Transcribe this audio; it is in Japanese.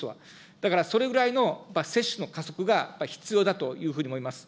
だから、それぐらいの接種の加速が必要だというふうに思います。